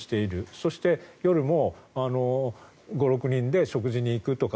そして、夜も５６人で食事に行くとか。